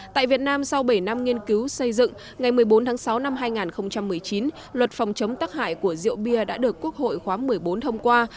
tại việt nam sau bảy năm nghiên cứu xây dựng ngày một mươi bốn tháng sáu năm hai nghìn một mươi chín luật phòng chống tắc hại của rượu bia đã được quốc hội khóa một mươi bốn thông qua